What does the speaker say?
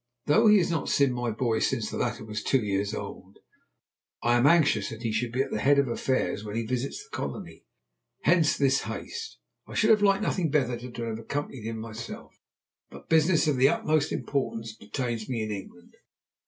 Though he has not seen my boy since the latter was two years old, I am anxious that he should be at the head of affairs when he visits the colony. Hence this haste. I should have liked nothing better than to have accompanied him myself, but business of the utmost importance detains me in England.